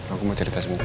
aku mau cerita sebentar